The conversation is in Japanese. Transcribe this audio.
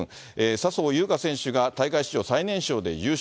笹生優花選手が大会史上最年少で優勝。